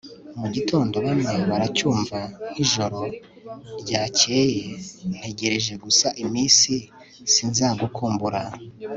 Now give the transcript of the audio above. mu gitondo bamwe baracyumva nk'ijoro ryakeye ntegereje gusa iminsi sinzagukumbura